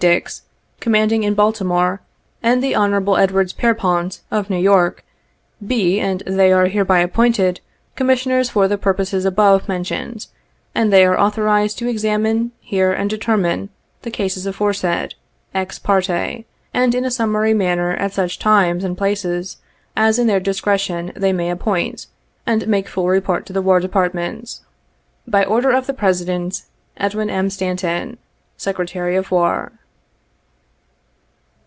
Dix, commanding in Baltimore, and the Hon. Edwards Pierrpont, of New York, be and they are hereby appointed commissioners for the purposes above men tioned, and they are authorized to examine, hear and determine the cases aforesaid, ex parte, and in a summary manner, at such times and places as in their discretion they may appoint, and make full re port to the War Department. " By order of the President. "EDWIN M. STANTON, '' Secretary of War.